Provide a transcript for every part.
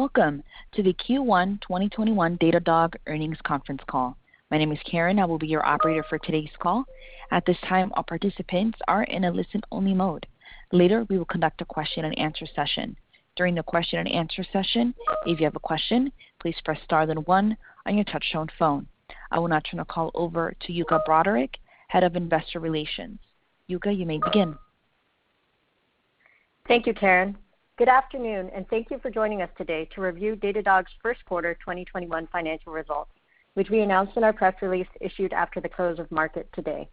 Welcome to the Q1 2021 Datadog earnings conference call. My name is Karen. I will be your operator for today's call. At this time, all participants are in a listen-only mode. Later, we will conduct a question-and-answer session. During the question and answer session, if you have a question, please press star then one on your touch-tone phone. I will now turn the call over to Yuka Broderick, Head of Investor Relations. Yuka, you may begin. Thank you, Karen. Good afternoon, and thank you for joining us today to review Datadog's first quarter 2021 financial results, which we announced in our press release issued after the close of market today.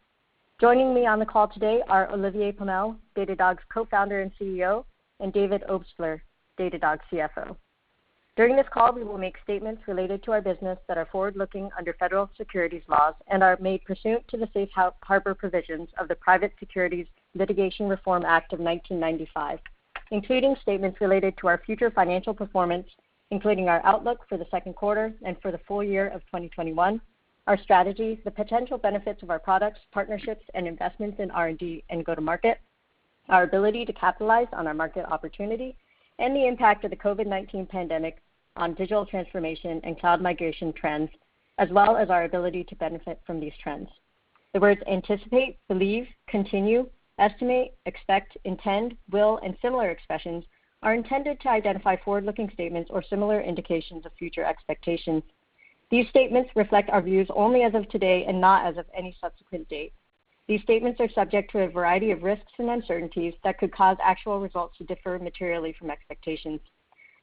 Joining me on the call today are Olivier Pomel, Datadog's Co-founder and CEO, and David Obstler, Datadog CFO. During this call, we will make statements related to our business that are forward-looking under federal securities laws and are made pursuant to the safe harbor provisions of the Private Securities Litigation Reform Act of 1995, including statements related to our future financial performance, including our outlook for the second quarter and for the full year of 2021, our strategy, the potential benefits of our products, partnerships, and investments in R&D and go-to-market, our ability to capitalize on our market opportunity, and the impact of the COVID-19 pandemic on digital transformation and cloud migration trends, as well as our ability to benefit from these trends. The words anticipate, believe, continue, estimate, expect, intend, will, and similar expressions are intended to identify forward-looking statements or similar indications of future expectations. These statements reflect our views only as of today and not as of any subsequent date. These statements are subject to a variety of risks and uncertainties that could cause actual results to differ materially from expectations.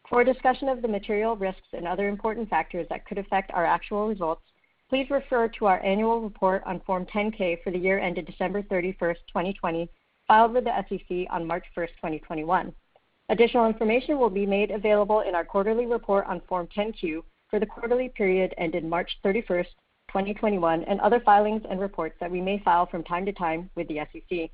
For a discussion of the material risks and other important factors that could affect our actual results, please refer to our annual report on Form 10-K for the year ended December 31st, 2020, filed with the SEC on March 1st, 2021. Additional information will be made available in our quarterly report on Form 10-Q for the quarterly period ended March 31st, 2021, and other filings and reports that we may file from time to time with the SEC.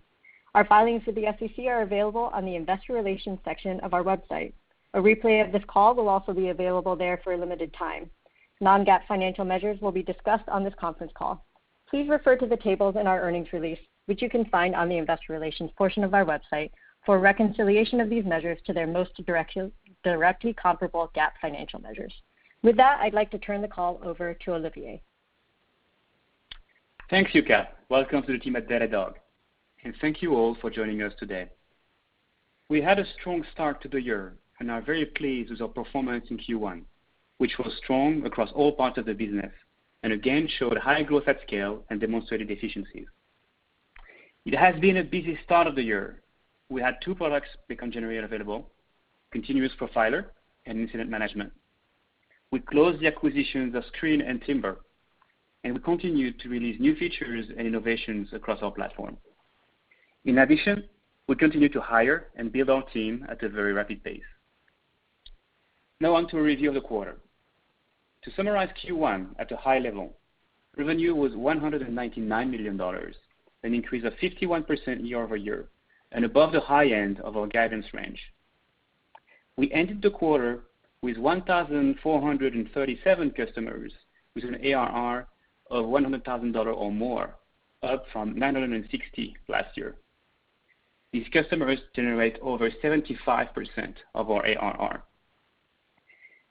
Our filings with the SEC are available on the investor relations section of our website. A replay of this call will also be available there for a limited time. Non-GAAP financial measures will be discussed on this conference call. Please refer to the tables in our earnings release, which you can find on the investor relations portion of our website, for a reconciliation of these measures to their most directly comparable GAAP financial measures. With that, I'd like to turn the call over to Olivier. Thanks, Yuka. Welcome to the team at Datadog. Thank you all for joining us today. We had a strong start to the year and are very pleased with our performance in Q1, which was strong across all parts of the business and again showed high growth at scale and demonstrated efficiencies. It has been a busy start of the year. We had two products become generally available, Continuous Profiler and Incident Management. We closed the acquisitions of Sqreen and Timber, and we continued to release new features and innovations across our platform. In addition, we continued to hire and build our team at a very rapid pace. Now on to a review of the quarter. To summarize Q1 at a high level, revenue was $199 million, an increase of 51% year-over-year, and above the high end of our guidance range. We ended the quarter with 1,437 customers with an ARR of $100,000 or more, up from 960 last year. These customers generate over 75% of our ARR.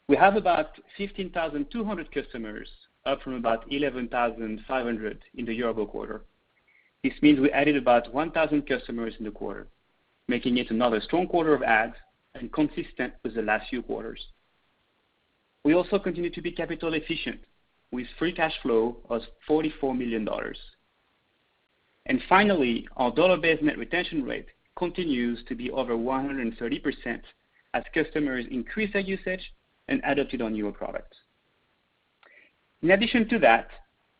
We have about 15,200 customers, up from about 11,500 in the year-ago quarter. This means we added about 1,000 customers in the quarter, making it another strong quarter of adds and consistent with the last few quarters. We also continue to be capital efficient, with free cash flow of $44 million. Finally, our dollar-based net retention rate continues to be over 130% as customers increase their usage and adopted our newer products. In addition to that,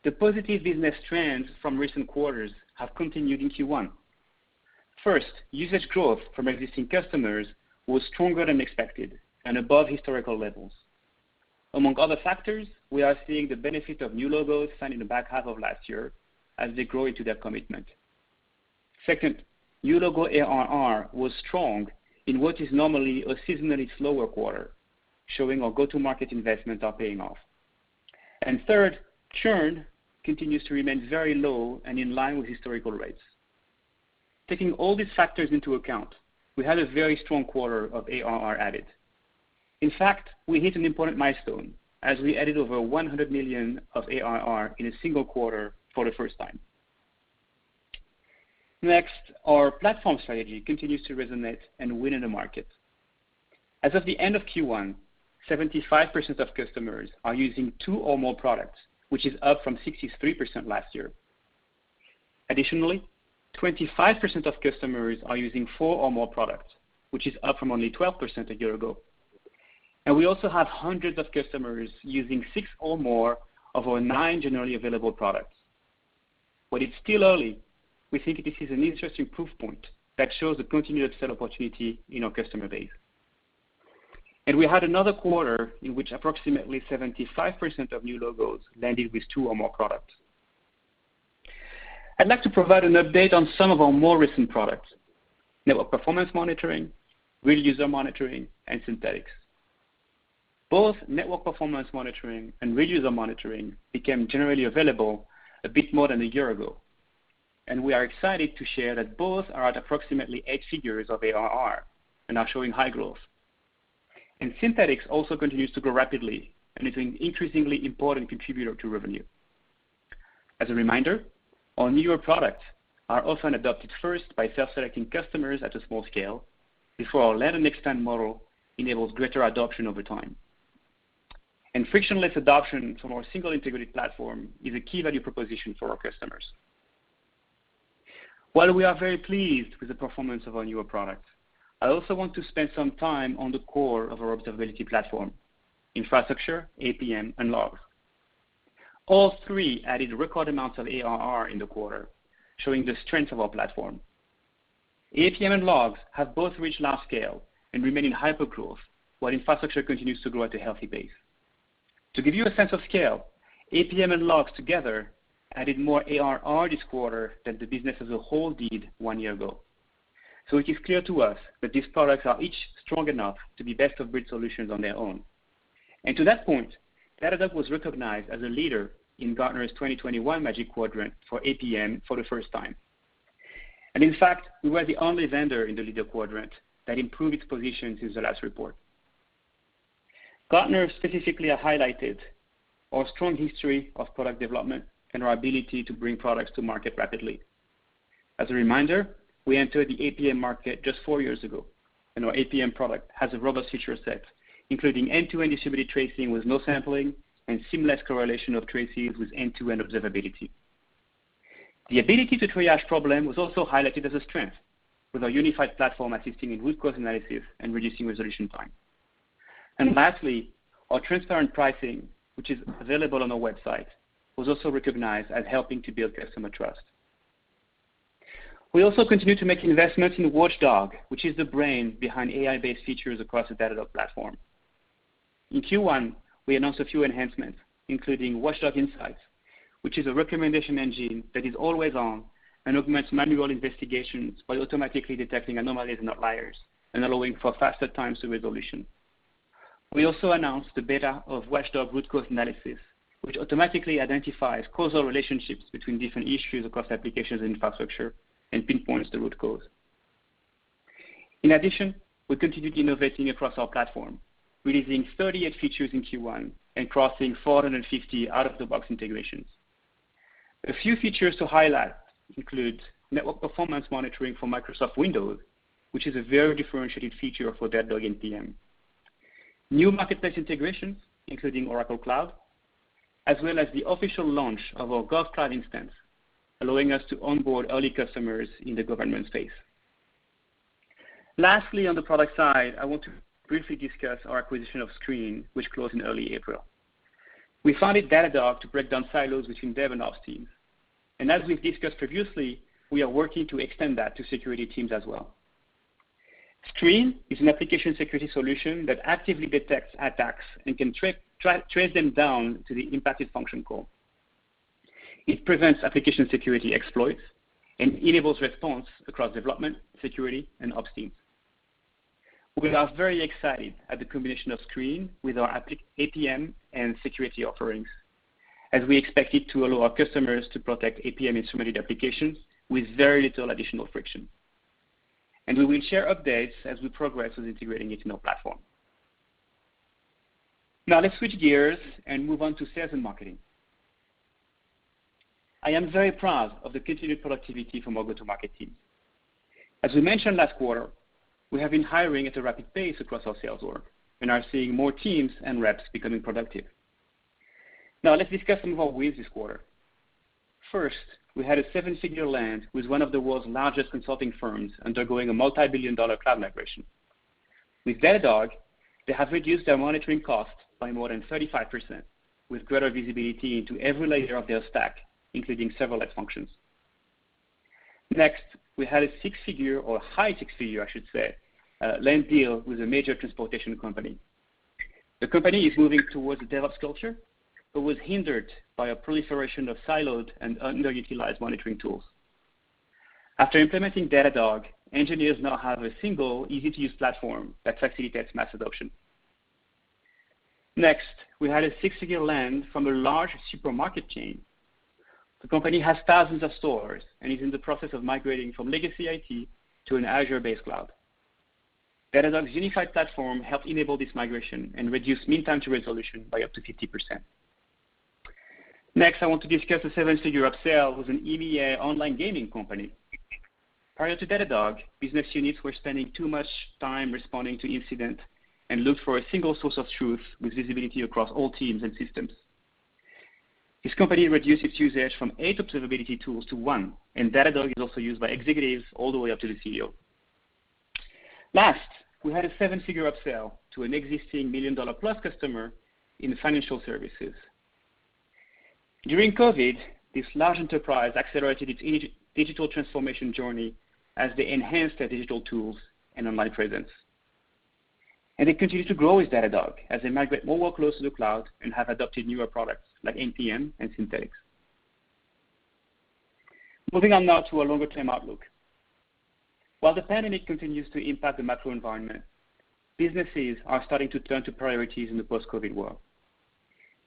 the positive business trends from recent quarters have continued in Q1. First, usage growth from existing customers was stronger than expected and above historical levels. Among other factors, we are seeing the benefit of new logos signed in the back half of last year as they grow into their commitment. Second, new logo ARR was strong in what is normally a seasonally slower quarter, showing our go-to-market investments are paying off. Third, churn continues to remain very low and in line with historical rates. Taking all these factors into account, we had a very strong quarter of ARR added. In fact, we hit an important milestone as we added over $100 million of ARR in a single quarter for the first time. Next, our platform strategy continues to resonate and win in the market. As of the end of Q1, 75% of customers are using two or more products, which is up from 63% last year. Additionally, 25% of customers are using four or more products, which is up from only 12% a year ago. We also have hundreds of customers using six or more of our nine generally available products. While it's still early, we think this is an interesting proof point that shows the continued sell opportunity in our customer base. We had another quarter in which approximately 75% of new logos landed with two or more products. I'd like to provide an update on some of our more recent products, Network Performance Monitoring, Real User Monitoring, and Synthetics. Both Network Performance Monitoring and Real User Monitoring became generally available a bit more than a year ago. We are excited to share that both are at approximately eight figures of ARR and are showing high growth. Synthetics also continues to grow rapidly and is an increasingly important contributor to revenue. As a reminder, our newer products are often adopted first by self-selecting customers at a small scale before our land and extend model enables greater adoption over time. Frictionless adoption from our single integrated platform is a key value proposition for our customers. While we are very pleased with the performance of our newer products, I also want to spend some time on the core of our observability platform, Infrastructure, APM, and Logs. All three added record amounts of ARR in the quarter, showing the strength of our platform. APM and Logs have both reached large scale and remain in hypergrowth while Infrastructure continues to grow at a healthy pace. To give you a sense of scale, APM and Logs together added more ARR this quarter than the business as a whole did one year ago. It is clear to us that these products are each strong enough to be best-of-breed solutions on their own. To that point, Datadog was recognized as a leader in Gartner's 2021 Magic Quadrant for APM for the first time. In fact, we were the only vendor in the leader quadrant that improved its position since the last report. Gartner specifically highlighted our strong history of product development and our ability to bring products to market rapidly. As a reminder, we entered the APM market just four years ago, and our APM product has a robust feature set, including end-to-end distributed tracing with no sampling and seamless correlation of traces with end-to-end observability. The ability to triage problem was also highlighted as a strength, with our unified platform assisting in root cause analysis and reducing resolution time. Lastly, our transparent pricing, which is available on our website, was also recognized as helping to build customer trust. We also continue to make investments in Watchdog, which is the brain behind AI-based features across the Datadog platform. In Q1, we announced a few enhancements, including Watchdog Insights, which is a recommendation engine that is always on and augments manual investigations by automatically detecting anomalies and outliers and allowing for faster time to resolution. We also announced the beta of Watchdog Root Cause Analysis, which automatically identifies causal relationships between different issues across applications and infrastructure and pinpoints the root cause. In addition, we continued innovating across our platform, releasing 38 features in Q1 and crossing 450 out-of-the-box integrations. A few features to highlight include Network Performance Monitoring for Microsoft Windows, which is a very differentiating feature for Datadog APM, new marketplace integrations, including Oracle Cloud, as well as the official launch of our GovCloud instance, allowing us to onboard early customers in the government space. Lastly, on the product side, I want to briefly discuss our acquisition of Sqreen, which closed in early April. We founded Datadog to break down silos between DevOps teams. As we've discussed previously, we are working to extend that to security teams as well. Sqreen is an application security solution that actively detects attacks and can trace them down to the impacted function call. It prevents application security exploits and enables response across development, security, and Ops teams. We are very excited at the combination of Sqreen with our APM and security offerings, as we expect it to allow our customers to protect APM instrumented applications with very little additional friction. We will share updates as we progress with integrating it in our platform. Let's switch gears and move on to sales and marketing. I am very proud of the continued productivity from our go-to-market teams. As we mentioned last quarter, we have been hiring at a rapid pace across our sales org and are seeing more teams and reps becoming productive. Let's discuss some of our wins this quarter. First, we had a seven-figure land with one of the world's largest consulting firms undergoing a multi-billion dollar cloud migration. With Datadog, they have reduced their monitoring costs by more than 35%, with greater visibility into every layer of their stack, including serverless functions. Next, we had a six-figure, or high six-figure I should say, land deal with a major transportation company. The company is moving towards a DevOps culture but was hindered by a proliferation of siloed and underutilized monitoring tools. After implementing Datadog, engineers now have a single easy-to-use platform that facilitates mass adoption. Next, we had a six-figure land from a large supermarket chain. The company has thousands of stores and is in the process of migrating from legacy IT to an Azure-based cloud. Datadog's unified platform helped enable this migration and reduced mean time to resolution by up to 50%. Next, I want to discuss a seven-figure upsell with an EMEA online gaming company. Prior to Datadog, business units were spending too much time responding to incident and looked for a single source of truth with visibility across all teams and systems. This company reduced its usage from eight observability tools to one, and Datadog is also used by executives all the way up to the CEO. Last, we had a seven-figure upsell to an existing million-dollar-plus customer in financial services. During COVID, this large enterprise accelerated its digital transformation journey as they enhanced their digital tools and online presence. They continue to grow with Datadog as they migrate more workloads to the cloud and have adopted newer products like NPM and Synthetics. Moving on now to our longer-term outlook. While the pandemic continues to impact the macro environment, businesses are starting to turn to priorities in the post-COVID world.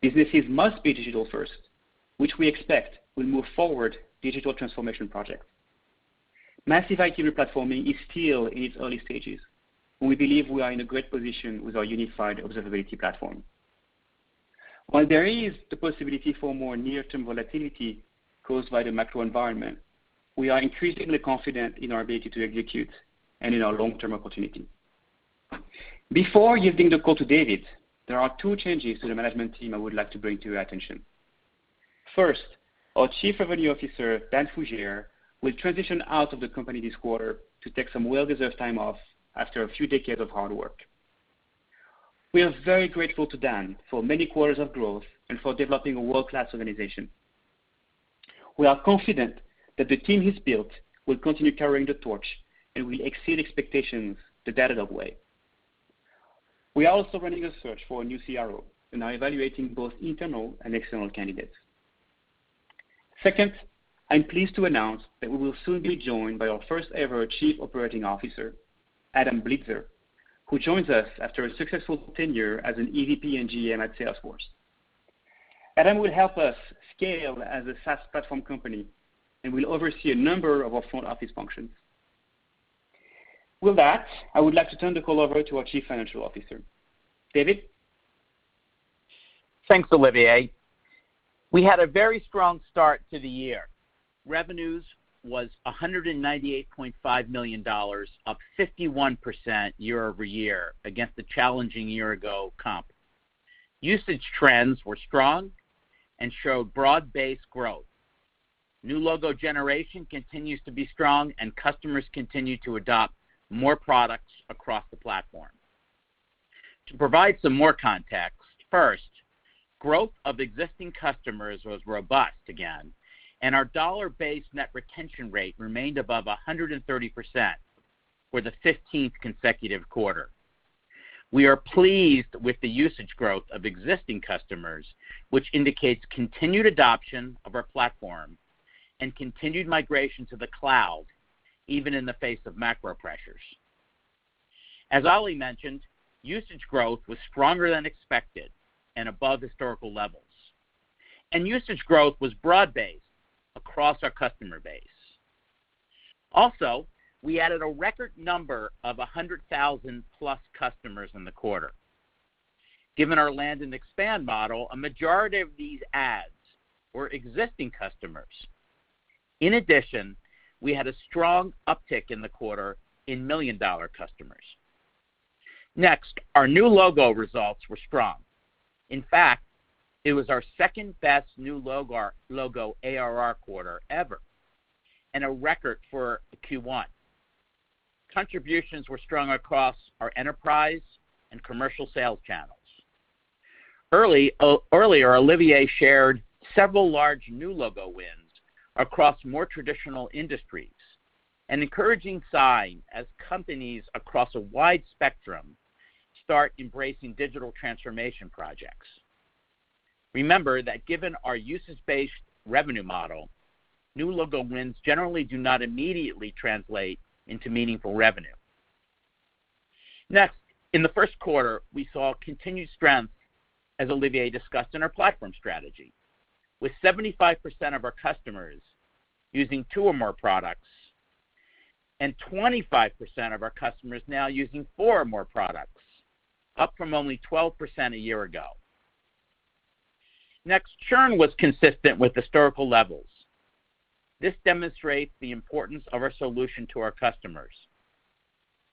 Businesses must be digital first, which we expect will move forward digital transformation projects. Massive IT replatforming is still in its early stages. We believe we are in a great position with our unified observability platform. While there is the possibility for more near-term volatility caused by the macro environment, we are increasingly confident in our ability to execute and in our long-term opportunity. Before yielding the call to David, there are two changes to the management team I would like to bring to your attention. First, our Chief Revenue Officer, Dan Fougere, will transition out of the company this quarter to take some well-deserved time off after a few decades of hard work. We are very grateful to Dan for many quarters of growth and for developing a world-class organization. We are confident that the team he's built will continue carrying the torch, and we exceed expectations the Datadog way. We are also running a search for a new CRO and are evaluating both internal and external candidates. I'm pleased to announce that we will soon be joined by our first-ever Chief Operating Officer, Adam Blitzer, who joins us after a successful tenure as an EVP and GM at Salesforce. Adam will help us scale as a SaaS platform company and will oversee a number of our front office functions. With that, I would like to turn the call over to our Chief Financial Officer. David? Thanks, Olivier. We had a very strong start to the year. Revenues was $198.5 million, up 51% year-over-year against the challenging year-ago comp. Usage trends were strong and showed broad-based growth. New logo generation continues to be strong, and customers continue to adopt more products across the platform. To provide some more context, first, growth of existing customers was robust again, and our dollar-based net retention rate remained above 130% for the 15th consecutive quarter. We are pleased with the usage growth of existing customers, which indicates continued adoption of our platform and continued migration to the cloud, even in the face of macro pressures. As Oli mentioned, usage growth was stronger than expected and above historical levels, and usage growth was broad-based across our customer base. We added a record number of 100,000+ customers in the quarter. Given our land and expand model, a majority of these adds were existing customers. In addition, we had a strong uptick in the quarter in million-dollar customers. Next, our new logo results were strong. In fact, it was our second-best new logo ARR quarter ever and a record for a Q1. Contributions were strong across our enterprise and commercial sales channels. Earlier, Olivier shared several large new logo wins across more traditional industries, an encouraging sign as companies across a wide spectrum start embracing digital transformation projects. Remember that given our usage-based revenue model, new logo wins generally do not immediately translate into meaningful revenue. Next, in the first quarter, we saw continued strength, as Olivier discussed, in our platform strategy, with 75% of our customers using two or more products and 25% of our customers now using four or more products, up from only 12% a year ago. Next, churn was consistent with historical levels. This demonstrates the importance of our solution to our customers.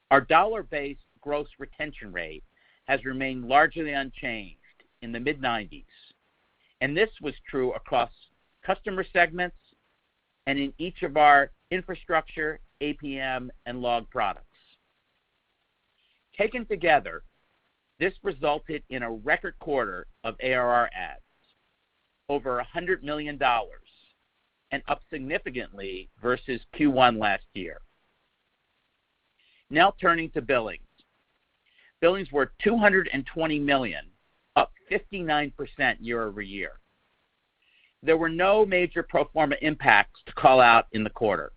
Our dollar-based gross retention rate has remained largely unchanged in the mid-90s, and this was true across customer segments and in each of our Infrastructure, APM, and Logs products. Taken together, this resulted in a record quarter of ARR adds, over $100 million, and up significantly versus Q1 last year. Turning to billings. Billings were $220 million, up 59% year-over-year. There were no major pro forma impacts to call out in the quarter.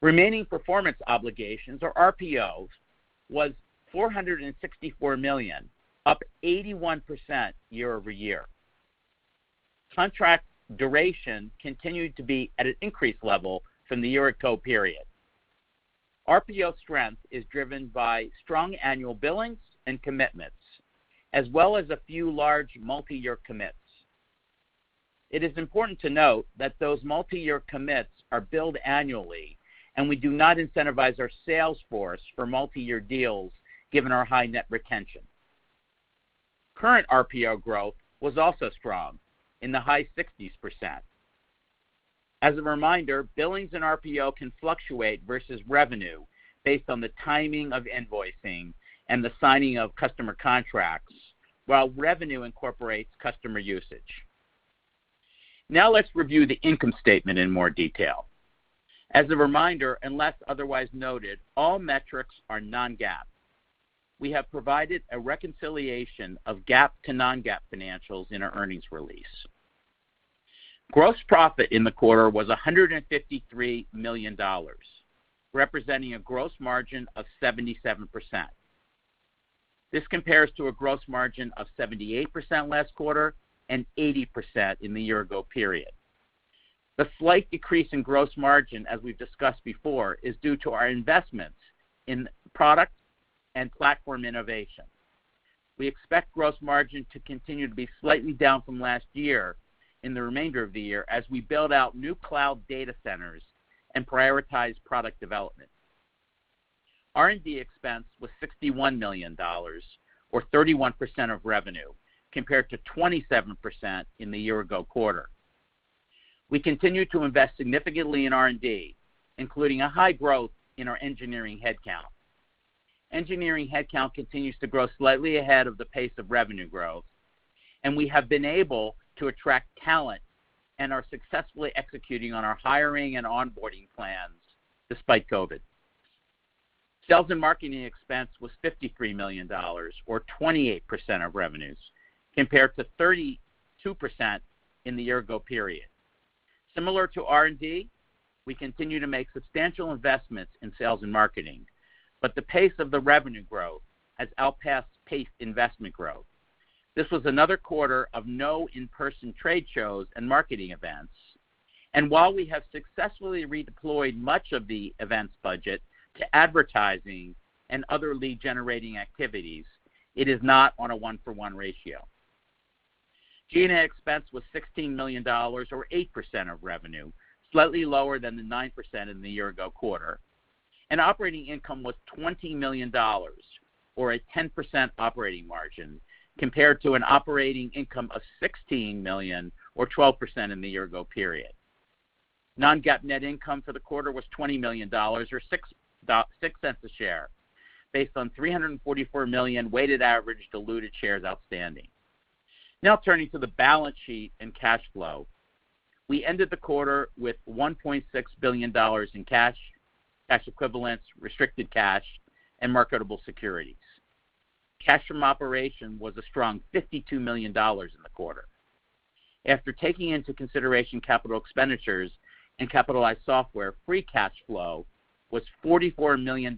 Remaining performance obligations, or RPOs, was $464 million, up 81% year-over-year. Contract duration continued to be at an increased level from the year ago period. RPO strength is driven by strong annual billings and commitments, as well as a few large multi-year commits. It is important to note that those multi-year commits are billed annually, and we do not incentivize our sales force for multi-year deals given our high net retention. Current RPO growth was also strong, in the high 60%s. As a reminder, billings and RPO can fluctuate versus revenue based on the timing of invoicing and the signing of customer contracts, while revenue incorporates customer usage. Now let's review the income statement in more detail. As a reminder, unless otherwise noted, all metrics are non-GAAP. We have provided a reconciliation of GAAP to non-GAAP financials in our earnings release. Gross profit in the quarter was $153 million, representing a gross margin of 77%. This compares to a gross margin of 78% last quarter and 80% in the year-ago period. The slight decrease in gross margin, as we've discussed before, is due to our investments in product and platform innovation. We expect gross margin to continue to be slightly down from last year in the remainder of the year as we build out new cloud data centers and prioritize product development. R&D expense was $61 million, or 31% of revenue, compared to 27% in the year-ago quarter. We continue to invest significantly in R&D, including a high growth in our engineering headcount. Engineering headcount continues to grow slightly ahead of the pace of revenue growth, and we have been able to attract talent and are successfully executing on our hiring and onboarding plans despite COVID. Sales and marketing expense was $53 million, or 28% of revenues, compared to 32% in the year-ago period. Similar to R&D, we continue to make substantial investments in sales and marketing, but the pace of the revenue growth has outpaced investment growth. This was another quarter of no in-person trade shows and marketing events, and while we have successfully redeployed much of the events budget to advertising and other lead-generating activities, it is not on a one-for-one ratio. G&A expense was $16 million, or 8% of revenue, slightly lower than the 9% in the year-ago quarter. Operating income was $20 million, or a 10% operating margin, compared to an operating income of $16 million or 12% in the year-ago period. Non-GAAP net income for the quarter was $20 million, or $0.06 a share, based on 344 million weighted average diluted shares outstanding. Now turning to the balance sheet and cash flow. We ended the quarter with $1.6 billion in cash equivalents, restricted cash, and marketable securities. Cash from operation was a strong $52 million in the quarter. After taking into consideration capital expenditures and capitalized software, free cash flow was $44 million,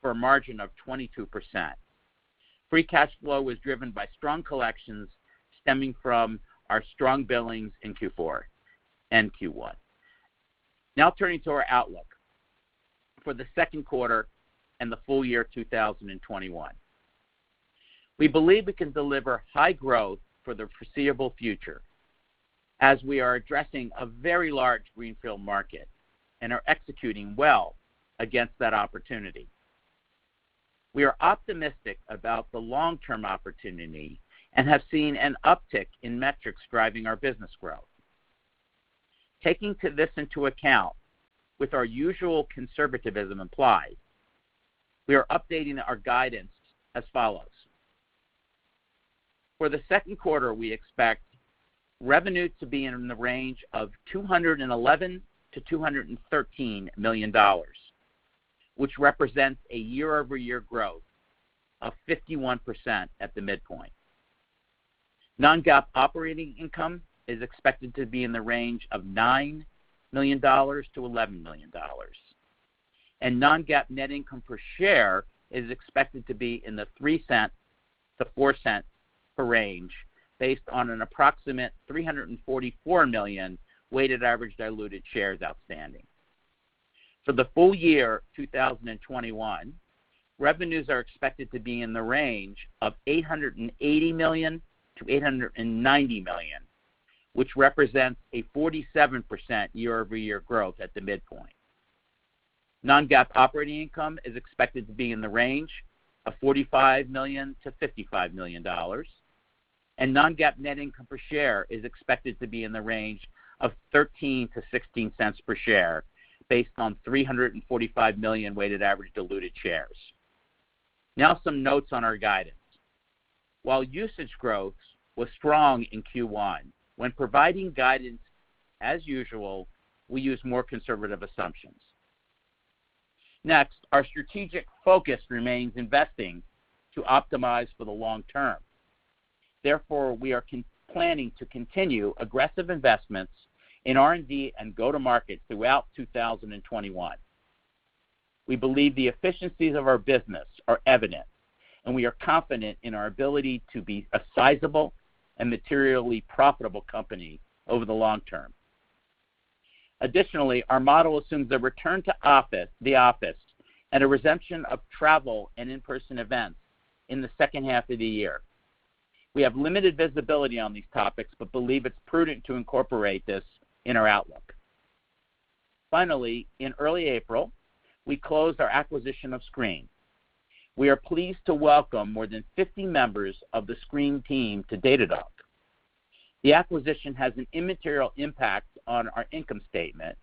for a margin of 22%. Free cash flow was driven by strong collections stemming from our strong billings in Q4 and Q1. Turning to our outlook for the second quarter and the full year 2021. We believe we can deliver high growth for the foreseeable future as we are addressing a very large greenfield market and are executing well against that opportunity. We are optimistic about the long-term opportunity and have seen an uptick in metrics driving our business growth. Taking this into account, with our usual conservatism applied, we are updating our guidance as follows. For the second quarter, we expect revenue to be in the range of $211 million-$213 million, which represents a year-over-year growth of 51% at the midpoint. Non-GAAP operating income is expected to be in the range of $9 million-$11 million. Non-GAAP net income per share is expected to be in the $0.03-$0.04 per range based on an approximate 344 million weighted average diluted shares outstanding. For the full year 2021, revenues are expected to be in the range of $880 million-$890 million, which represents a 47% year-over-year growth at the midpoint. Non-GAAP operating income is expected to be in the range of $45 million-$55 million. Non-GAAP net income per share is expected to be in the range of $0.13-$0.16 per share based on 345 million weighted average diluted shares. Some notes on our guidance. While usage growth was strong in Q1, when providing guidance, as usual, we use more conservative assumptions. Our strategic focus remains investing to optimize for the long term. We are planning to continue aggressive investments in R&D and go to market throughout 2021. We believe the efficiencies of our business are evident, and we are confident in our ability to be a sizable and materially profitable company over the long term. Our model assumes a return to the office and a resumption of travel and in-person events in the second half of the year. We have limited visibility on these topics but believe it's prudent to incorporate this in our outlook. In early April, we closed our acquisition of Sqreen. We are pleased to welcome more than 50 members of the Sqreen team to Datadog. The acquisition has an immaterial impact on our income statement,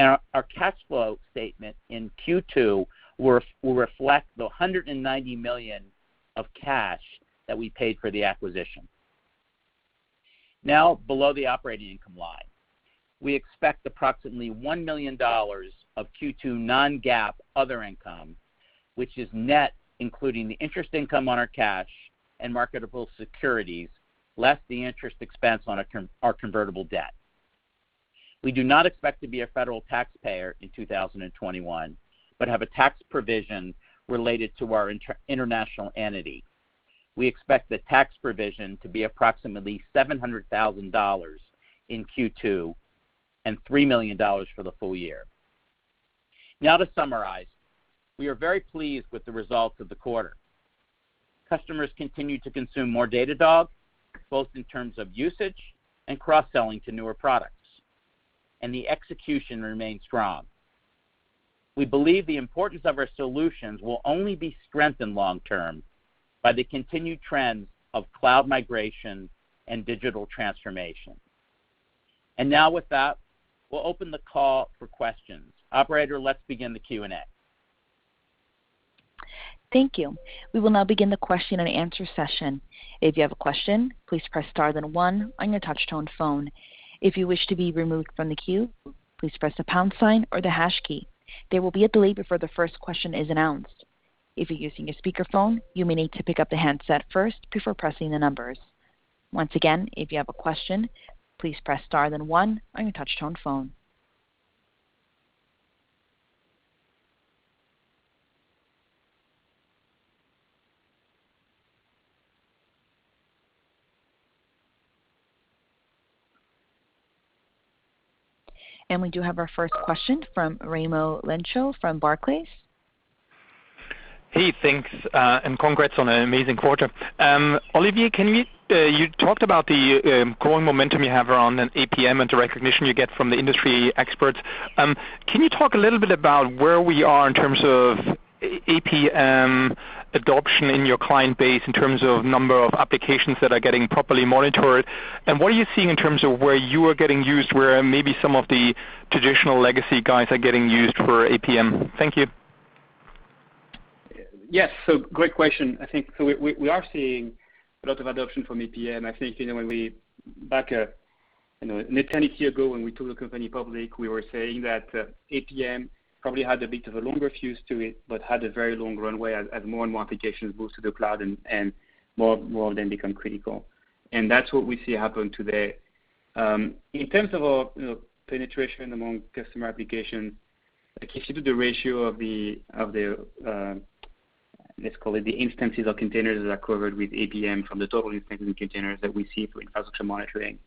and our cash flow statement in Q2 will reflect the $190 million of cash that we paid for the acquisition. Below the operating income line. We expect approximately $1 million of Q2 non-GAAP other income, which is net, including the interest income on our cash and marketable securities, less the interest expense on our convertible debt. We do not expect to be a federal taxpayer in 2021, but have a tax provision related to our international entity. We expect the tax provision to be approximately $700,000 in Q2, and $3 million for the full year. To summarize, we are very pleased with the results of the quarter. Customers continue to consume more Datadog, both in terms of usage and cross-selling to newer products, and the execution remains strong. We believe the importance of our solutions will only be strengthened long term by the continued trends of cloud migration and digital transformation. Now with that, we'll open the call for questions. Operator, let's begin the Q&A. We do have our first question from Raimo Lenschow from Barclays. Hey, thanks, and congrats on an amazing quarter. Olivier, you talked about the growing momentum you have around APM and the recognition you get from the industry experts. Can you talk a little bit about where we are in terms of APM adoption in your client base, in terms of number of applications that are getting properly monitored, and what are you seeing in terms of where you are getting used, where maybe some of the traditional legacy guys are getting used for APM? Thank you. Yes. Great question. I think we are seeing a lot of adoption from APM. I think back a little over a year ago when we took the company public, we were saying that APM probably had a bit of a longer fuse to it, but had a very long runway as more and more applications moved to the cloud and more of them become critical. That's what we see happen today. In terms of our penetration among customer applications, if you see the ratio of the, let's call it the instances or containers that are covered with APM from the total instances and containers that we see for Infrastructure Monitoring.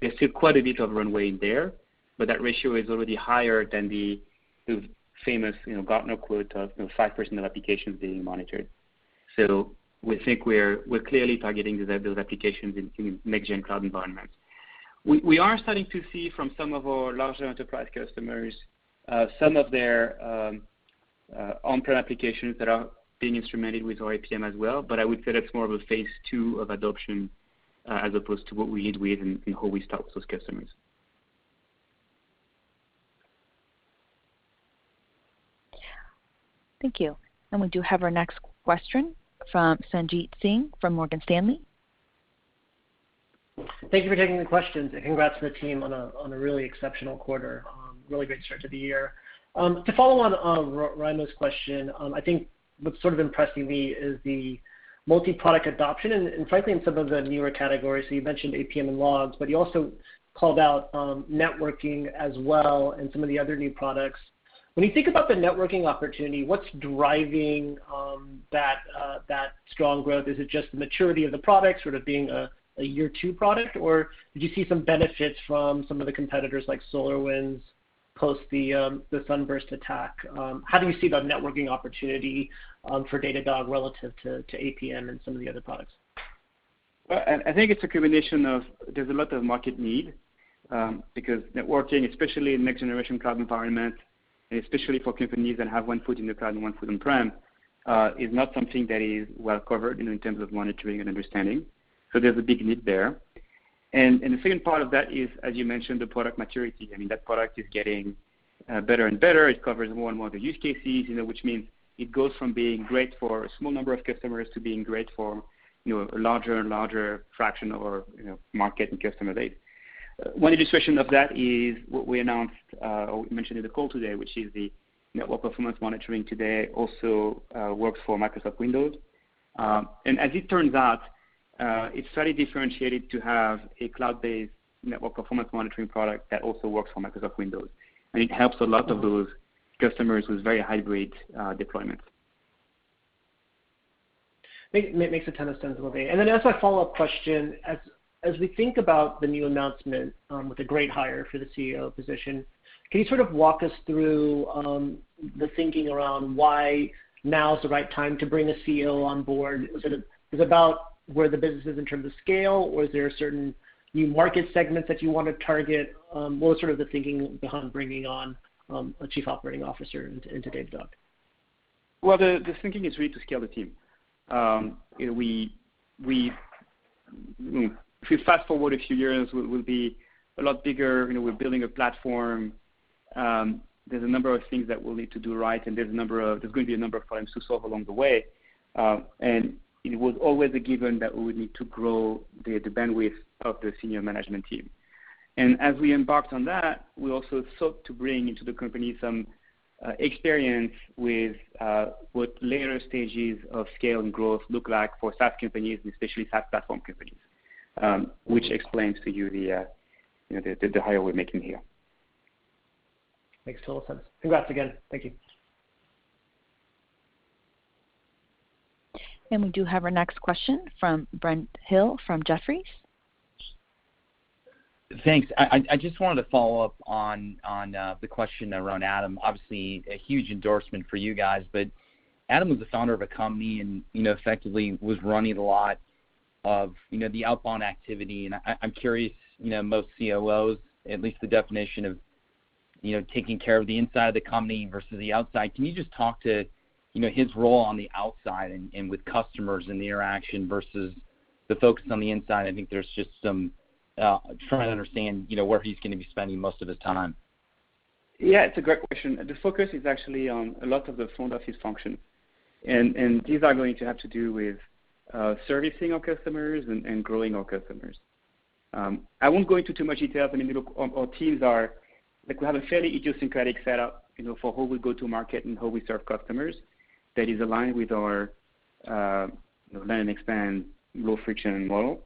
There's still quite a bit of runway there, but that ratio is already higher than the famous Gartner quote of 5% of applications being monitored. We think we're clearly targeting those applications in next-gen cloud environments. We are starting to see from some of our larger enterprise customers, some of their on-prem applications that are being instrumented with our APM as well. I would say that's more of a phase II of adoption, as opposed to what we had with and how we start with those customers. Thank you. We do have our next question from Sanjit Singh from Morgan Stanley. Thank you for taking the questions, and congrats to the team on a really exceptional quarter. Really great start to the year. To follow on Raimo's question, I think what's sort of impressing me is the multi-product adoption, and frankly, in some of the newer categories. You mentioned APM and Logs, but you also called out networking as well and some of the other new products. When you think about the networking opportunity, what's driving that strong growth? Is it just the maturity of the product sort of being a year two product? Did you see some benefits from some of the competitors like SolarWinds post the Sunburst attack? How do we see the networking opportunity for Datadog relative to APM and some of the other products? I think it's a combination of, there's a lot of market need. Because networking, especially in next-generation cloud environment, and especially for companies that have one foot in the cloud and one foot on-prem, is not something that is well covered in terms of monitoring and understanding. There's a big need there. The second part of that is, as you mentioned, the product maturity. That product is getting better and better. It covers more and more of the use cases, which means it goes from being great for a small number of customers to being great for a larger and larger fraction of our market and customer base. One illustration of that is what we announced, or we mentioned in the call today, which is the Network Performance Monitoring today also works for Microsoft Windows. As it turns out, it's very differentiated to have a cloud-based Network Performance Monitoring product that also works for Microsoft Windows. It helps a lot of those customers with very hybrid deployments. Makes a ton of sense, Olivier. As my follow-up question, as we think about the new announcement with a great hire for the CEO position, can you sort of walk us through the thinking around why now is the right time to bring a CEO on board? Is it about where the business is in terms of scale, or is there certain new market segments that you want to target? What was sort of the thinking behind bringing on a Chief Operating Officer into Datadog? The thinking is really to scale the team. If we fast-forward a few years, we'll be a lot bigger. We're building a platform. There's a number of things that we'll need to do right, and there's going to be a number of problems to solve along the way. It was always a given that we would need to grow the bandwidth of the senior management team. As we embarked on that, we also sought to bring into the company some experience with what later stages of scale and growth look like for SaaS companies, and especially SaaS platform companies, which explains to you the hire we're making here. Makes total sense. Congrats again. Thank you. We do have our next question from Brent Thill, from Jefferies. Thanks. I just wanted to follow up on the question around Adam. Obviously, a huge endorsement for you guys, but Adam was the founder of a company and effectively was running a lot of the outbound activity, and I'm curious, most COOs, at least the definition of taking care of the inside of the company versus the outside. Can you just talk to his role on the outside and with customers and the interaction versus the focus on the inside? I'm trying to understand where he's going to be spending most of his time. Yeah, it's a great question. The focus is actually on a lot of the front office function. These are going to have to do with servicing our customers and growing our customers. I won't go into too much detail, but we have a fairly idiosyncratic setup for how we go to market and how we serve customers that is aligned with our land and expand low friction model.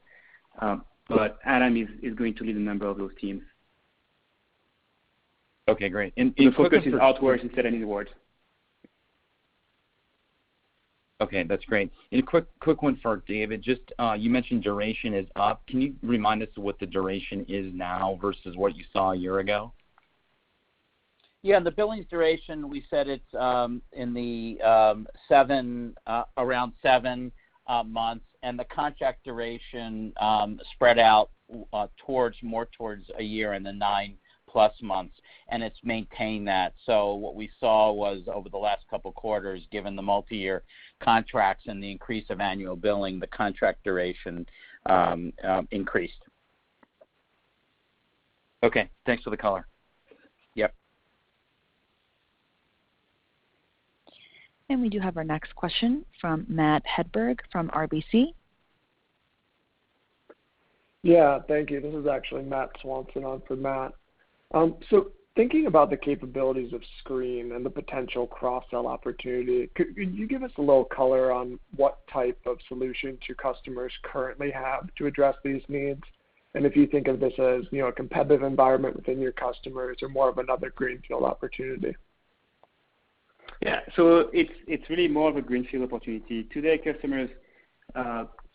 Adam is going to lead a number of those teams. Okay, great. The focus is outwards instead of inwards. Okay, that's great. A quick one for David. You mentioned duration is up. Can you remind us what the duration is now versus what you saw a year ago? Yeah. The billings duration, we said it's around seven months, and the contract duration spread out more towards a year in the nine plus months, and it's maintained that. What we saw was over the last couple of quarters, given the multi-year contracts and the increase of annual billing, the contract duration increased. Okay. Thanks for the color. Yep. We do have our next question from Matt Hedberg from RBC. Yeah, thank you. This is actually Matt Swanson on for Matt. Thinking about the capabilities of Sqreen and the potential cross-sell opportunity, could you give us a little color on what type of solutions your customers currently have to address these needs? If you think of this as a competitive environment within your customers or more of another greenfield opportunity? It's really more of a greenfield opportunity. Today, customers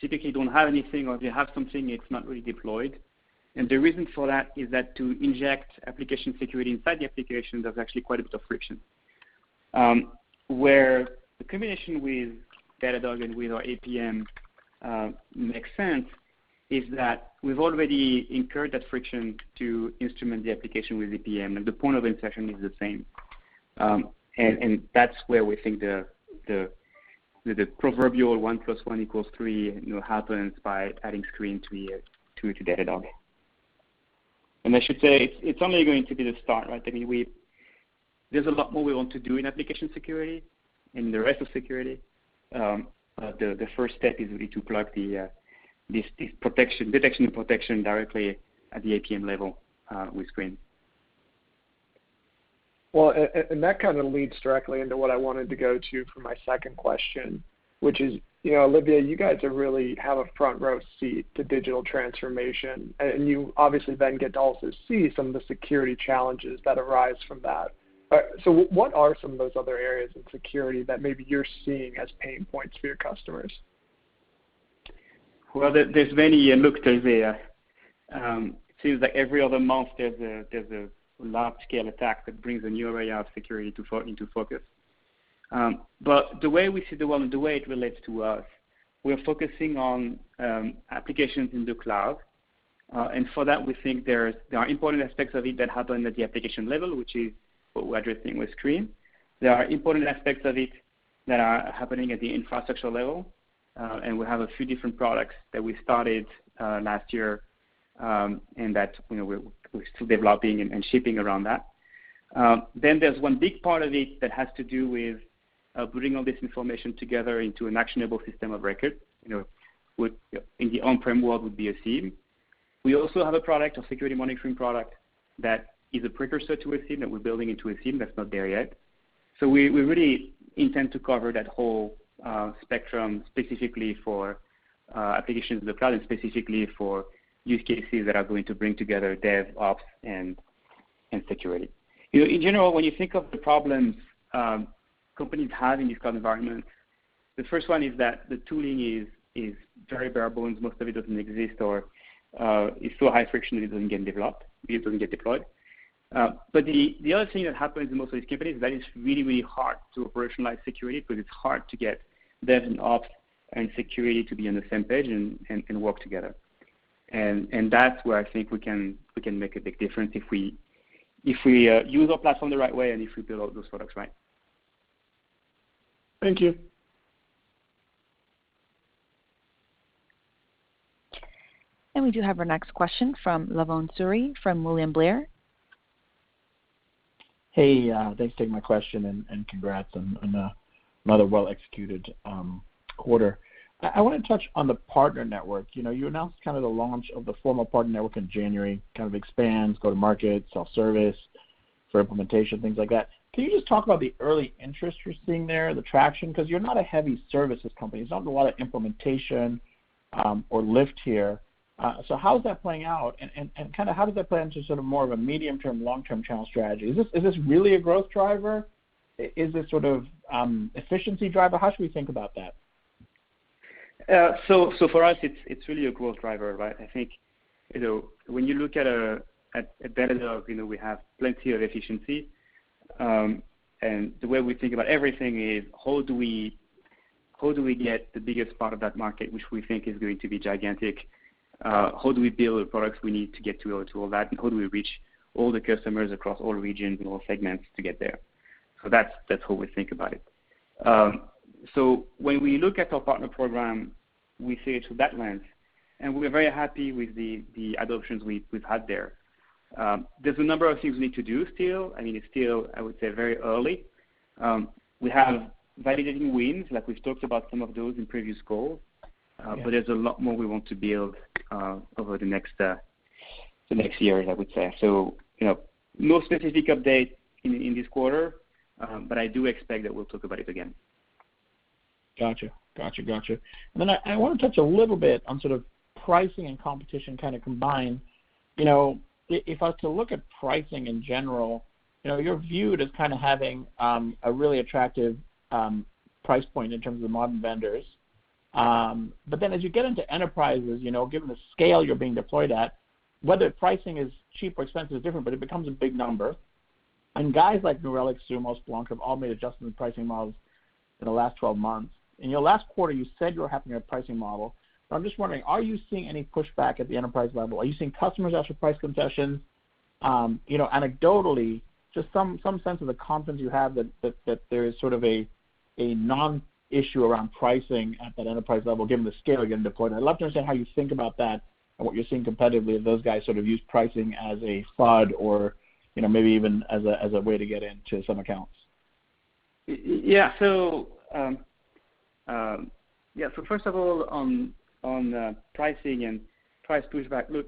typically don't have anything, or if they have something, it's not really deployed. The reason for that is that to inject application security inside the application, there's actually quite a bit of friction. Where the combination with Datadog and with our APM makes sense is that we've already incurred that friction to instrument the application with APM, and the point of inception is the same. That's where we think the proverbial 1+1=3 happens by adding Sqreen to Datadog. I should say, it's only going to be the start. There's a lot more we want to do in application security and the rest of security. The first step is really to plug this detection and protection directly at the APM level with Sqreen. That kind of leads directly into what I wanted to go to for my second question, which is, Olivier, you guys really have a front row seat to digital transformation, and you obviously then get to also see some of the security challenges that arise from that. What are some of those other areas of security that maybe you're seeing as pain points for your customers? Well, there's many. Look, it seems like every other month, there's a large-scale attack that brings a new area of security into focus. The way we see the world and the way it relates to us, we are focusing on applications in the cloud. For that, we think there are important aspects of it that happen at the application level, which is what we're addressing with Sqreen. There are important aspects of it that are happening at the infrastructure level, and we have a few different products that we started last year, and that we're still developing and shaping around that. There's one big part of it that has to do with bringing all this information together into an actionable system of record. In the on-prem world, would be a SIEM. We also have a product, a security monitoring product, that is a precursor to a SIEM, that we're building into a SIEM, that's not there yet. We really intend to cover that whole spectrum, specifically for applications in the cloud and specifically for use cases that are going to bring together DevOps and security. In general, when you think of the problems companies have in these cloud environments, the first one is that the tooling is very bare bones. Most of it doesn't exist, or it's so high friction that it doesn't get developed, it doesn't get deployed. The other thing that happens in most of these companies is that it's really, really hard to operationalize security because it's hard to get devs and ops and security to be on the same page and work together. That's where I think we can make a big difference if we use our platform the right way and if we build out those products right. Thank you. We do have our next question from Bhavan Suri from William Blair. Hey, thanks for taking my question, and congrats on another well-executed quarter. I want to touch on the partner network. You announced the launch of the formal partner network in January, kind of expands, go-to-market, self-service for implementation, things like that. Can you just talk about the early interest you're seeing there, the traction? You're not a heavy services company. There's not a lot of implementation or lift here. How is that playing out? How does that play into more of a medium-term, long-term channel strategy? Is this really a growth driver? Is this an efficiency driver? How should we think about that? For us, it's really a growth driver, right? I think when you look at Datadog, we have plenty of efficiency. The way we think about everything is how do we get the biggest part of that market, which we think is going to be gigantic? How do we build the products we need to get to all that, and how do we reach all the customers across all regions and all segments to get there? That's how we think about it. When we look at our partner program, we see it through that lens, and we're very happy with the adoptions we've had there. There's a number of things we need to do still. It's still, I would say, very early. We have validating wins. We've talked about some of those in previous calls. Yeah There's a lot more we want to build over the next year, I would say. No specific update in this quarter, but I do expect that we'll talk about it again. Got you. Then I want to touch a little bit on pricing and competition combined. If I was to look at pricing in general, you're viewed as having a really attractive price point in terms of modern vendors. As you get into enterprises, given the scale you're being deployed at, whether pricing is cheap or expensive is different, but it becomes a big number. Guys like New Relic, Sumo, Splunk, have all made adjustments to pricing models in the last 12 months. In your last quarter, you said you were happy with your pricing model, so I'm just wondering, are you seeing any pushback at the enterprise level? Are you seeing customers ask for price concessions? Anecdotally, just some sense of the confidence you have that there is a non-issue around pricing at that enterprise level, given the scale you're getting deployed. I'd love to understand how you think about that and what you're seeing competitively of those guys sort of use pricing as a FUD or maybe even as a way to get into some accounts. Yeah. First of all, on pricing and price pushback, look,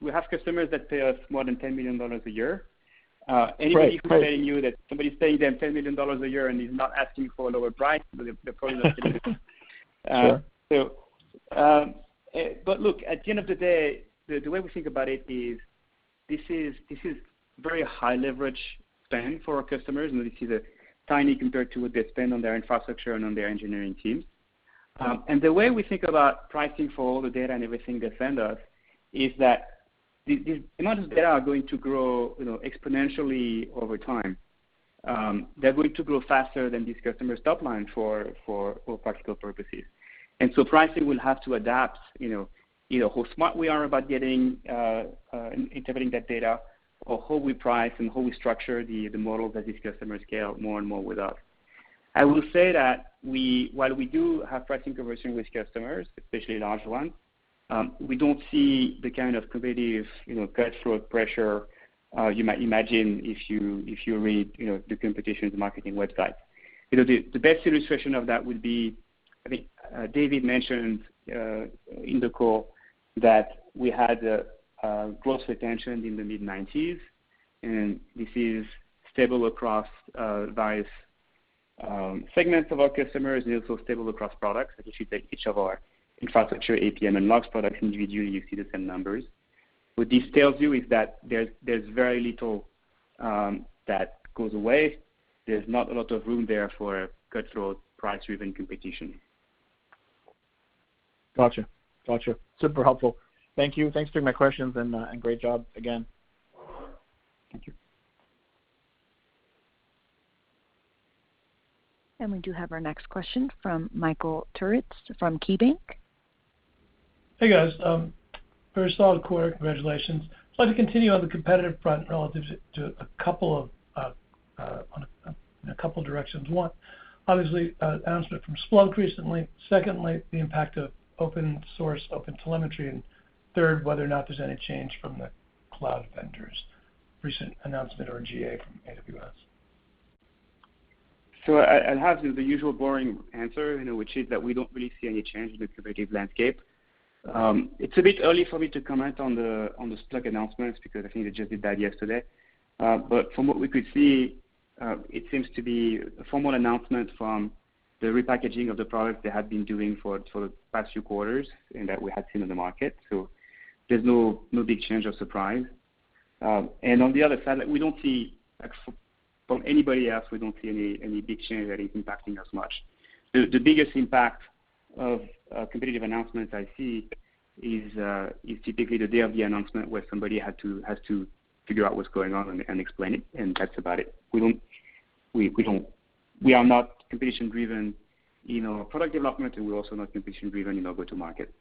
we have customers that pay us more than $10 million a year. Right. Anybody who's telling you that somebody's paying them $10 million a year and is not asking you for a lower price, they're probably not. Sure Look, at the end of the day, the way we think about it is this is very high leverage spend for our customers, and this is tiny compared to what they spend on their infrastructure and on their engineering teams. The way we think about pricing for all the data and everything they send us is that the amount of data are going to grow exponentially over time. They're going to grow faster than these customers' top line for all practical purposes. Pricing will have to adapt. How smart we are about interpreting that data, or how we price and how we structure the model that these customers scale more and more with us. I will say that while we do have pricing conversations with customers, especially large ones, we don't see the kind of competitive cutthroat pressure you might imagine if you read the competition's marketing website. The best illustration of that would be, I think David mentioned in the call that we had a gross retention in the mid-90s, and this is stable across various segments of our customers, and it's also stable across products. If you take each of our Infrastructure, APM, and Logs products individually, you see the same numbers. What this tells you is that there's very little that goes away. There's not a lot of room there for cutthroat price-driven competition. Got you. Super helpful. Thank you. Thanks for taking my questions, and great job again. Thank you. We do have our next question from Michael Turits from KeyBanc. Hey, guys. Very solid quarter. Congratulations. I'd like to continue on the competitive front relative to a couple of directions. One, obviously, announcement from Splunk recently. Secondly, the impact of open source, OpenTelemetry, and third, whether or not there's any change from the cloud vendors' recent announcement or GA from AWS. I'll have the usual boring answer, which is that we don't really see any change in the competitive landscape. It's a bit early for me to comment on the Splunk announcements because I think they just did that yesterday. From what we could see, it seems to be a formal announcement from the repackaging of the product they had been doing for the past few quarters, and that we had seen in the market. There's no big change or surprise. On the other side, from anybody else, we don't see any big change that is impacting us much. The biggest impact of competitive announcements I see is typically the day of the announcement where somebody has to figure out what's going on and explain it, and that's about it. We are not competition-driven in our product development, and we're also not competition-driven in our go-to-market.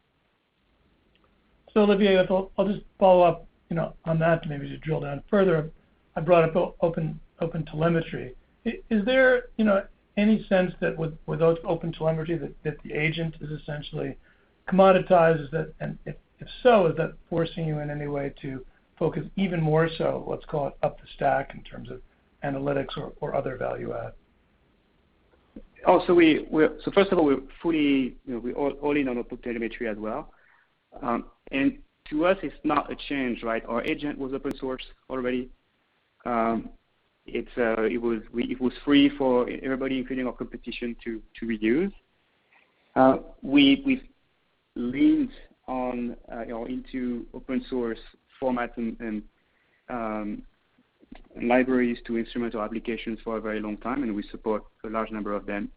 Olivier, I'll just follow up on that to maybe just drill down further. I brought up OpenTelemetry. Is there any sense that with OpenTelemetry, that the agent is essentially commoditized? If so, is that forcing you in any way to focus even more so, let's call it up the stack in terms of analytics or other value add? First of all, we're all in on OpenTelemetry as well. To us, it's not a change, right? Our agent was open source already. It was free for everybody, including our competition, to use. We've leaned into open source format and libraries to instrument our applications for a very long time, and we support a large number of them.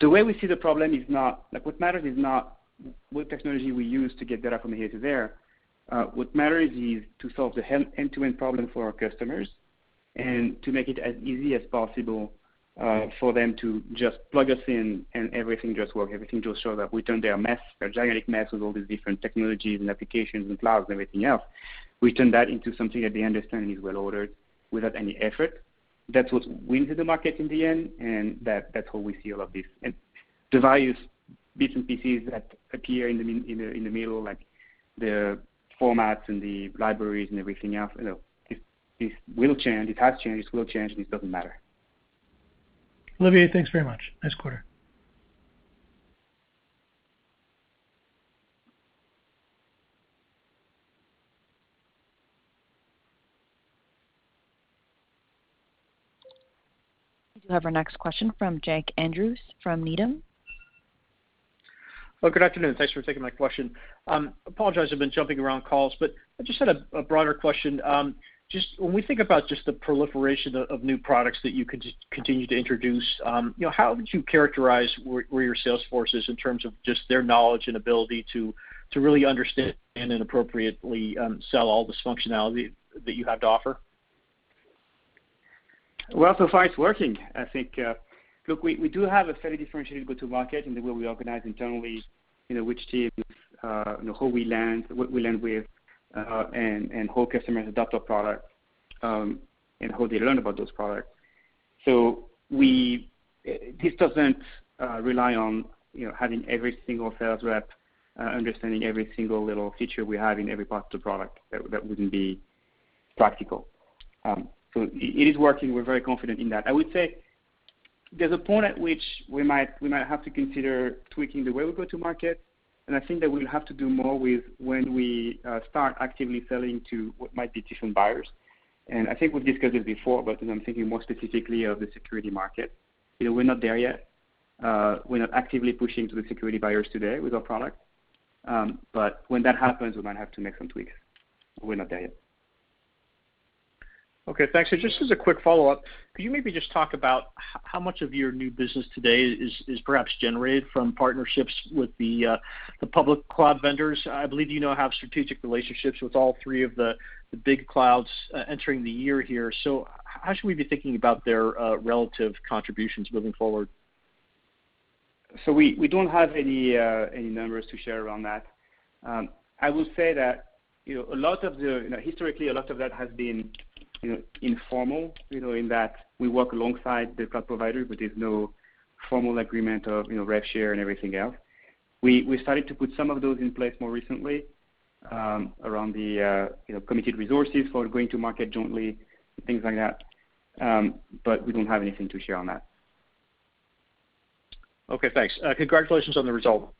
The way we see the problem is not what technology we use to get data from here to there. What matters is to solve the end-to-end problem for our customers and to make it as easy as possible for them to just plug us in and everything just works, everything just shows up. We turn their mess, their gigantic mess with all these different technologies and applications and clouds and everything else, we turn that into something that they understand is well-ordered without any effort. That's what wins in the market in the end, and that's what we see a lot of this. The various bits and pieces that appear in the middle, like the formats and the libraries and everything else, it will change. It has changed, it will change, and it doesn't matter. Olivier, thanks very much. Nice quarter. We do have our next question from Jack Andrews from Needham. Well, good afternoon. Thanks for taking my question. Apologize, I've been jumping around calls, but I just had a broader question. When we think about just the proliferation of new products that you could continue to introduce, how would you characterize where your sales force is in terms of just their knowledge and ability to really understand and appropriately sell all this functionality that you have to offer? Well, so far it's working, I think. Look, we do have a fairly differentiated go-to market in the way we organize internally, which teams, who we land, what we land with, and how customers adopt our product, and how they learn about those products. This doesn't rely on having every single sales rep understanding every single little feature we have in every part of the product. That wouldn't be practical. It is working. We're very confident in that. I would say there's a point at which we might have to consider tweaking the way we go-to-market, and I think that we'll have to do more with when we start actively selling to what might be different buyers. I think we've discussed this before, but I'm thinking more specifically of the security market. We're not there yet. We're not actively pushing to the security buyers today with our product. When that happens, we might have to make some tweaks. We're not there yet. Okay, thanks. Just as a quick follow-up, could you maybe just talk about how much of your new business today is perhaps generated from partnerships with the public cloud vendors? I believe you now have strategic relationships with all three of the big clouds entering the year here. How should we be thinking about their relative contributions moving forward? We don't have any numbers to share around that. I will say that historically, a lot of that has been informal, in that we work alongside the cloud provider, but there's no formal agreement of rev share and everything else. We started to put some of those in place more recently around the committed resources for going to market jointly and things like that. We don't have anything to share on that. Okay, thanks. Congratulations on the result.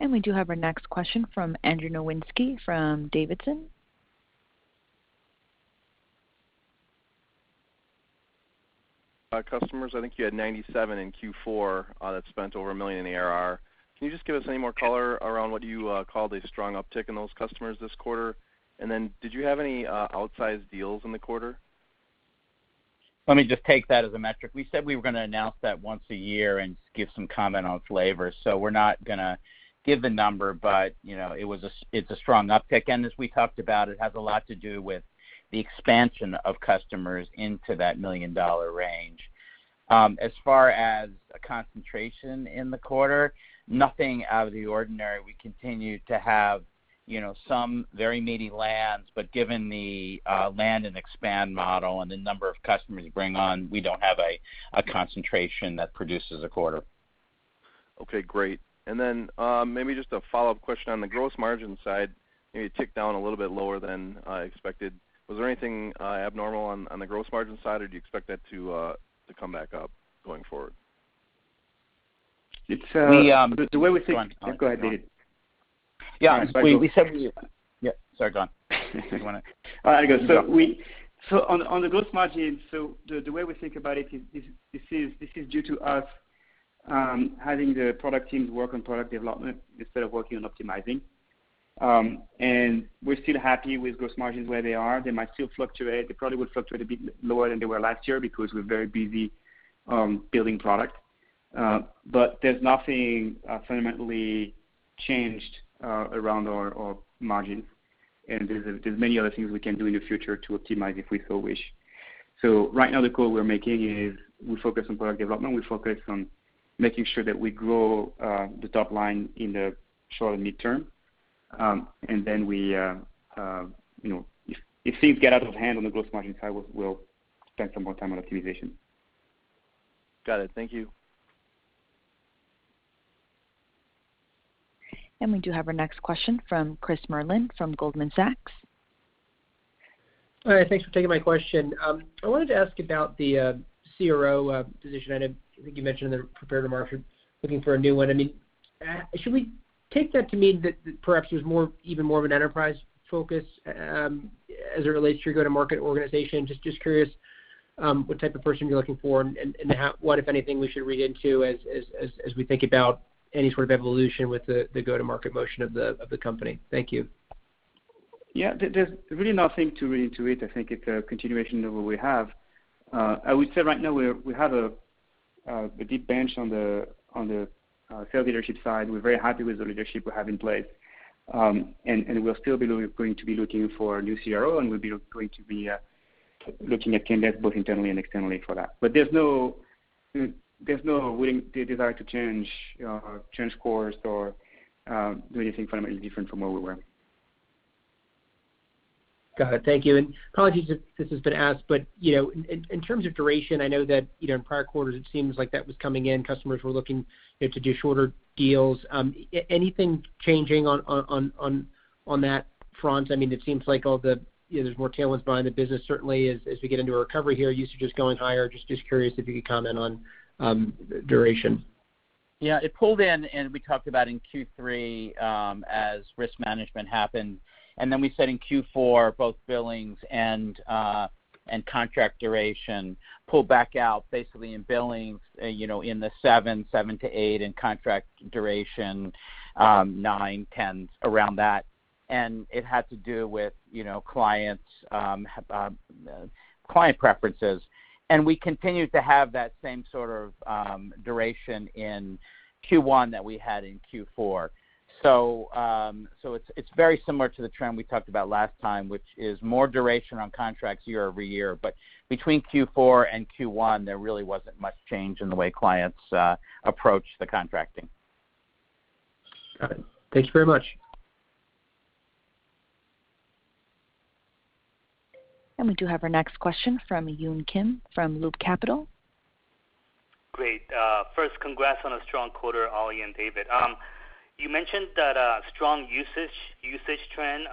We do have our next question from Andrew Nowinski from Davidson. Customers, I think you had 97 in Q4 that spent over $1 million in ARR. Can you just give us any more color around what you called a strong uptick in those customers this quarter? Did you have any outsized deals in the quarter? Let me just take that as a metric. We said we were going to announce that once a year and give some comment on flavor. We're not going to give the number, but it's a strong uptick. As we talked about, it has a lot to do with the expansion of customers into that $1 million range. As far as a concentration in the quarter, nothing out of the ordinary. We continue to have some very meaty lands, but given the land and expand model and the number of customers you bring on, we don't have a concentration that produces a quarter. Okay, great. Maybe just a follow-up question on the gross margin side, maybe it ticked down a little bit lower than expected. Was there anything abnormal on the gross margin side, or do you expect that to come back up going forward? The way we think- We- Go ahead, David. Yeah. Yeah, sorry, go on. All right, go. On the gross margin, the way we think about it is this is due to us having the product teams work on product development instead of working on optimizing. We're still happy with gross margins where they are. They might still fluctuate. They probably would fluctuate a bit lower than they were last year because we're very busy building product. There's nothing fundamentally changed around our margin. And there's many other things we can do in the future to optimize if we so wish. Right now, the goal we're making is we focus on product development. We focus on making sure that we grow the top line in the short and midterm. If things get out of hand on the gross margin side, we'll spend some more time on optimization. Got it. Thank you. We do have our next question from Chris Merwin from Goldman Sachs. All right. Thanks for taking my question. I wanted to ask about the CRO position. I think you mentioned in the prepared remarks you're looking for a new one. Should we take that to mean that perhaps there's even more of an enterprise focus as it relates to your go-to-market organization? Just curious what type of person you're looking for and what, if anything, we should read into as we think about any sort of evolution with the go-to-market motion of the company. Thank you. Yeah. There's really nothing to read into it. I think it's a continuation of what we have. I would say right now, we have a deep bench on the sales leadership side. We're very happy with the leadership we have in place. We'll still be going to be looking for a new CRO, and we'll be going to be looking at candidates both internally and externally for that. There's no willing desire to change course or do anything fundamentally different from where we were. Got it. Thank you. Apologies if this has been asked, in terms of duration, I know that in prior quarters it seems like that was coming in. Customers were looking to do shorter deals. Anything changing on that front? It seems like there's more tailwinds behind the business, certainly as we get into a recovery here, usage is going higher. Just curious if you could comment on duration. It pulled in and we talked about in Q3 as risk management happened, and then we said in Q4 both billings and contract duration pulled back out basically in billings in the seven to eight, and contract duration 9, 10s, around that. It had to do with client preferences. We continued to have that same sort of duration in Q1 that we had in Q4. It's very similar to the trend we talked about last time, which is more duration on contracts year-over-year. Between Q4 and Q1, there really wasn't much change in the way clients approach the contracting. Got it. Thank you very much. We do have our next question from Yun Kim from Loop Capital. Great. First, congrats on a strong quarter, Oli and David. You mentioned that a strong usage trend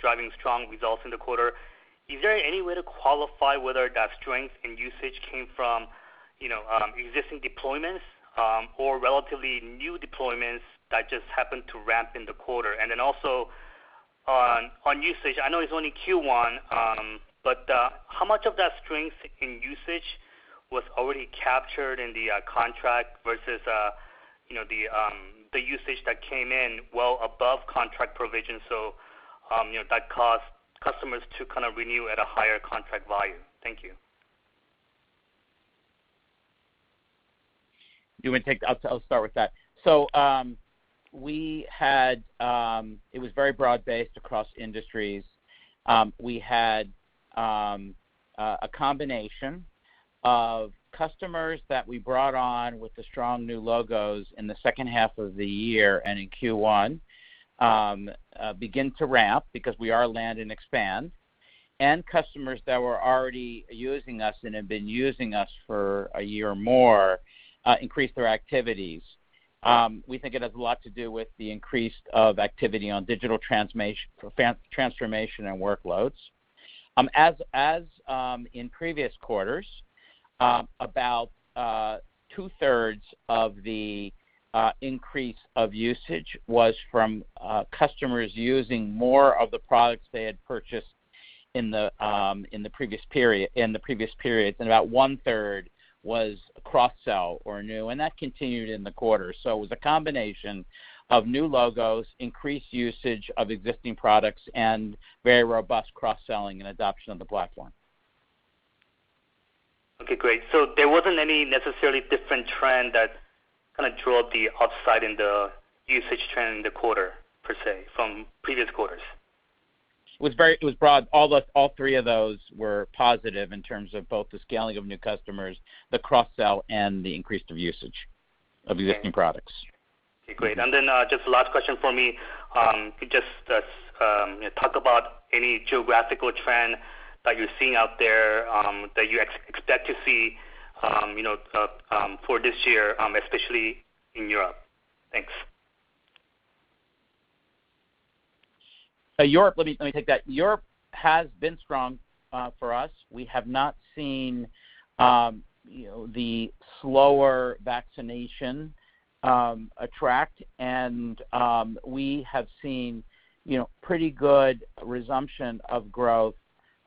driving strong results in the quarter. Is there any way to qualify whether that strength in usage came from existing deployments or relatively new deployments that just happened to ramp in the quarter? Also on usage, I know it's only Q1, but how much of that strength in usage was already captured in the contract versus the usage that came in well above contract provision, so that caused customers to kind of renew at a higher contract value? Thank you. You want to take that? I'll start with that. It was very broad-based across industries. We had a combination of customers that we brought on with the strong new logos in the second half of the year and in Q1 begin to ramp because we are land and expand, and customers that were already using us and have been using us for a year or more increase their activities. We think it has a lot to do with the increase of activity on digital transformation and workloads. As in previous quarters, about two-thirds of the increase of usage was from customers using more of the products they had purchased in the previous periods, and about one-third was cross-sell or new, and that continued in the quarter. It was a combination of new logos, increased usage of existing products, and very robust cross-selling and adoption of the platform. Okay, great. There wasn't any necessarily different trend that kind of drove the upside in the usage trend in the quarter, per se, from previous quarters? It was broad. All three of those were positive in terms of both the scaling of new customers, the cross-sell, and the increase of usage of existing products. Okay, great. Just the last question for me, could you just talk about any geographical trend that you're seeing out there, that you expect to see for this year, especially in Europe? Thanks. Europe, let me take that. Europe has been strong for us. We have not seen the slower vaccination attract, and we have seen pretty good resumption of growth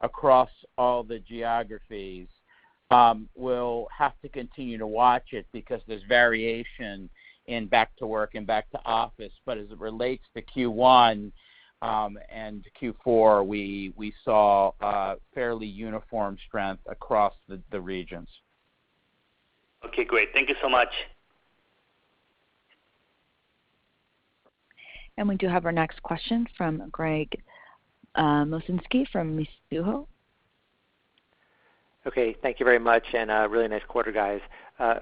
across all the geographies. We'll have to continue to watch it because there's variation in back to work and back to office. As it relates to Q1 and Q4, we saw fairly uniform strength across the regions. Okay, great. Thank you so much. We do have our next question from Gregg Moskowitz from Mizuho. Okay. Thank you very much, and a really nice quarter, guys.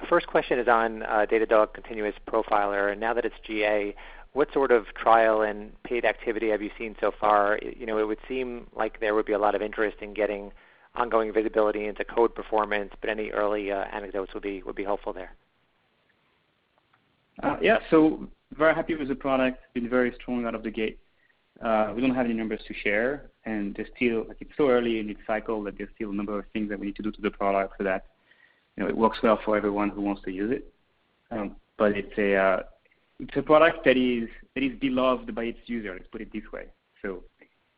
First question is on Datadog Continuous Profiler, and now that it's GA, what sort of trial and paid activity have you seen so far? It would seem like there would be a lot of interest in getting ongoing visibility into code performance, but any early anecdotes would be helpful there. Yeah. Very happy with the product. It's been very strong out of the gate. We don't have any numbers to share, and it's so early in its cycle that there's still a number of things that we need to do to the product so that it works well for everyone who wants to use it. It's a product that is beloved by its users, put it this way.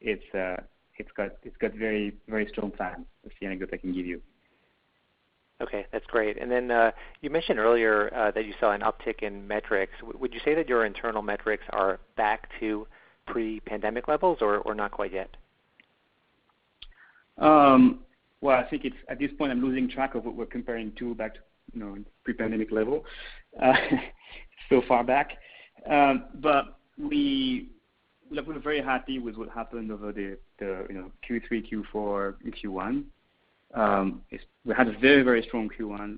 It's got very strong plans. That's the anecdote I can give you. Okay, that's great. You mentioned earlier that you saw an uptick in metrics. Would you say that your internal metrics are back to pre-pandemic levels or not quite yet? Well, I think at this point I'm losing track of what we're comparing to back to pre-pandemic level. So far back. Look, we're very happy with what happened over the Q3, Q4, and Q1. We had a very strong Q1.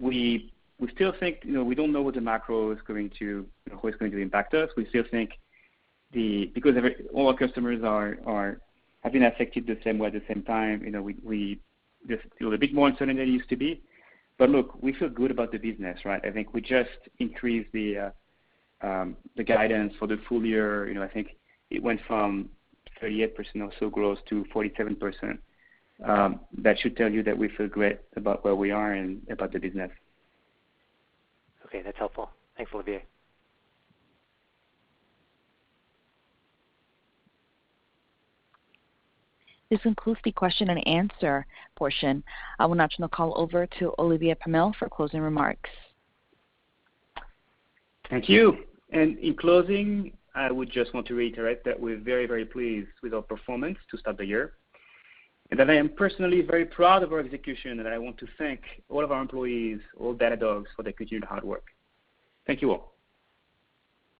We don't know what the macro is going to impact us. We still think because all our customers have been affected the same way at the same time, there's still a bit more uncertainty than there used to be. Look, we feel good about the business, right? I think we just increased the guidance for the full year. I think it went from 38% or so growth to 47%. That should tell you that we feel great about where we are and about the business. Okay, that's helpful. Thanks, Olivier. This concludes the question and answer portion. I will now turn the call over to Olivier Pomel for closing remarks. Thank you. In closing, I would just want to reiterate that we're very pleased with our performance to start the year, and that I am personally very proud of our execution, and I want to thank all of our employees, all of Datadog's, for their continued hard work. Thank you all.